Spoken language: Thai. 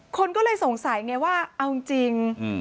คนก็เลยสงสัยไงว่าเอาจริง